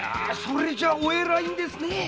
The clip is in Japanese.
それじゃお偉いんですね。